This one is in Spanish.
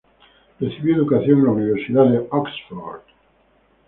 Recibió educación en la Universidad de Oxford.